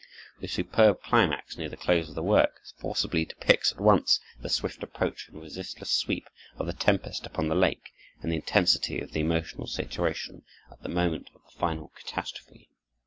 The superb climax near the close of the work forcibly depicts at once the swift approach and resistless sweep of the tempest upon the lake and the intensity of the emotional situation at the moment of the final catastrophe.